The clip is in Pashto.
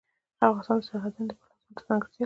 افغانستان د سرحدونه د پلوه ځانته ځانګړتیا لري.